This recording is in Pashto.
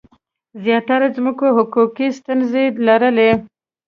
زیاتره ځمکو حقوقي ستونزي لرلي.